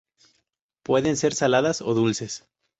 Pueden ser saladas o dulces.